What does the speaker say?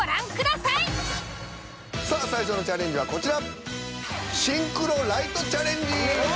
さあ最初のチャレンジはこちら。